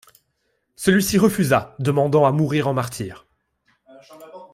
Celui-ci refusa, demandant à mourir en martyr.